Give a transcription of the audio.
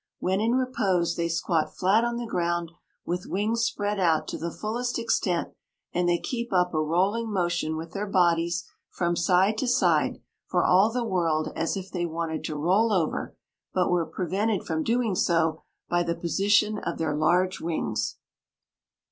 When in repose they squat flat on the ground, with wings spread out to the fullest extent, and they keep up a rolling motion with their bodies from side to side, for all the world as if they wanted to roll over, but were prevented from doing so by the position of their large wings.